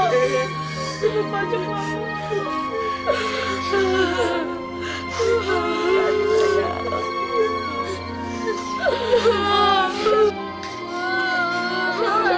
bu aku juga